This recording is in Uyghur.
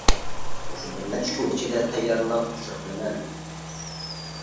مۇشۇ بىر نەچچە كۈن ئىچىدە تەييارلاپ ئۇچۇر قىلىمەن.